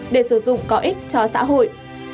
để sử dụng có ích cho xã hội